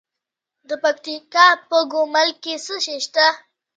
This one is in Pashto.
د پکتیکا په ګومل کې څه شی شته؟